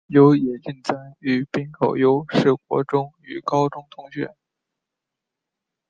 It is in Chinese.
有野晋哉与滨口优是国中与高中同学。